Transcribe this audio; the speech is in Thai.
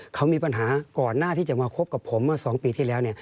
เขามีปัญหาก่อนหน้าที่จะมาคบกับผมเมื่อ๒ปีที่แล้ว